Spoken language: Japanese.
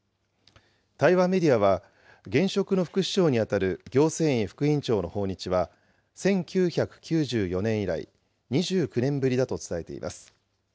台湾メディアは、現職の副首相に当たる行政院副院長の訪日は、１９９４年以来、２９年ぶりだと伝えています。